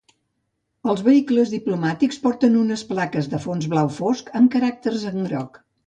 Els vehicles diplomàtics porten unes plaques de fons blau fosc amb caràcters en groc.